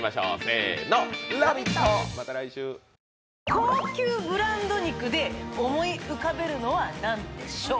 高級ブランド肉で思い浮かべるのは何でしょう？